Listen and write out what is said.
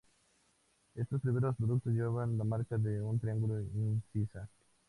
Estos primeros productos llevaban la marca de un triángulo incisa.